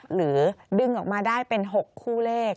หรือดึงออกมาได้เป็น๖คู่เลข